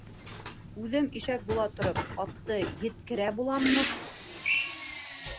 Үҙем ишәк була тороп, атты еткерә буламмы!